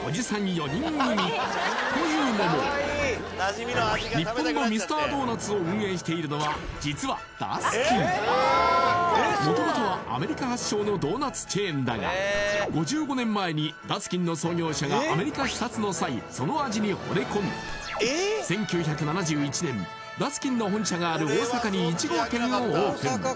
４人組というのも日本のミスタードーナツを運営しているのは実はダスキンもともとはアメリカ発祥のドーナツチェーンだが５５年前にダスキンの創業者がアメリカ視察の際その味にほれ込み１９７１年ダスキンの本社がある大阪に１号店をオープン